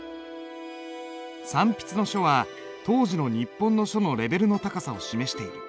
三筆の書は当時の日本の書のレベルの高さを示している。